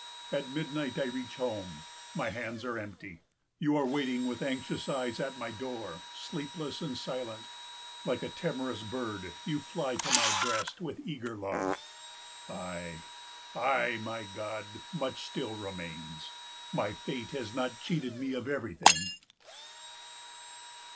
At midnight I reach home. My hands are empty. You are waiting with anxious eyes at my door, sleepless and silent. Like a timorous bird you fly to my breast with eager love. Ay, ay, my God, much remains still. My fate has not cheated me of everything.